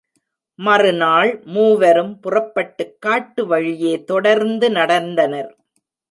மறுநாள் மூவரும் புறப்பட்டுக் காட்டு வழியே தொடர்ந்து நடந்தனர்.